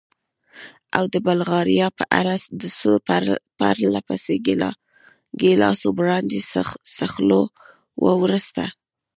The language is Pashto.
او د بلغاریا په اړه؟ د څو پرله پسې ګیلاسو برانډي څښلو وروسته.